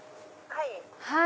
はい。